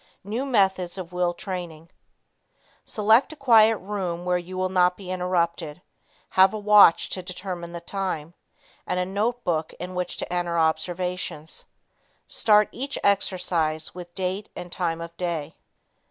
New Methods of Will Training. Select a quiet room where you will not be interrupted; have a watch to determine the time, and a note book in which to enter observations. Start each exercise with date and time of day.